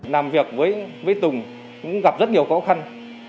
làm việc với tùng cũng gặp rất nhiều khó khăn